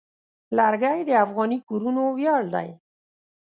لرګی د افغاني کورنو ویاړ دی.